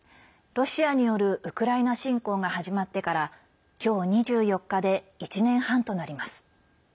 ロシアによるウクライナ侵攻が始まってから今日２４日で１年半となります。